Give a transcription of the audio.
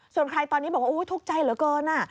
ส่วนใครตอนนี้บอกว่าทุกข์ใจเหลือเกิน